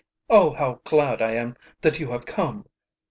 Oh, how glad I am that you have come!"